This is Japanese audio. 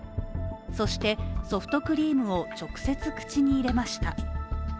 そして、ソフトクリームを直接口に入れました。